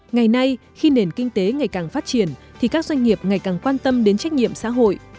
ngày nay khi nền kinh tế ngày càng phát triển thì các doanh nghiệp ngày càng quan tâm đến trách nhiệm xã hội